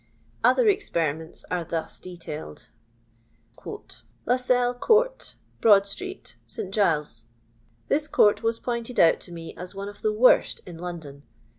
Other experiments are thus detailed :—" Lascelles court, Broad street, St. Giles's. This court was pointed out to me as one of the worst in London.